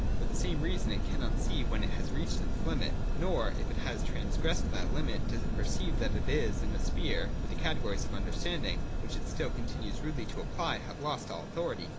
For the same reason it cannot see when it has reached its limit; nor, if it have trans gressed that limit, does it perceive that it is in a sphere where the categories of understanding, which it still continues rudely to apply, have lost all authority.